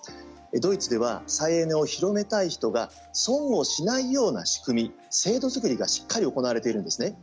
ドイツでは再エネを広めたい人が損をしないような仕組み制度作りがしっかり行われているんですね。